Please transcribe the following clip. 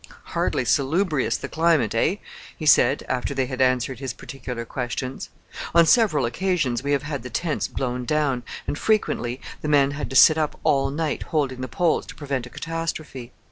"Hardly salubrious, the climate, eh?" he said, after they had answered his particular questions. "On several occasions we have had the tents blown down, and frequently the men had to sit up all night holding the poles to prevent a catastrophe.